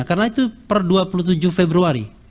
karena itu per dua puluh tujuh februari